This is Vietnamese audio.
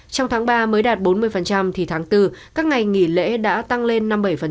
trong tháng ba mới đạt bốn mươi thì tháng bốn các ngày nghỉ lễ đã tăng lên